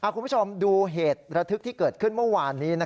คุณผู้ชมดูเหตุระทึกที่เกิดขึ้นเมื่อวานนี้